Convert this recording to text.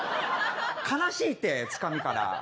悲しいって、つかみから。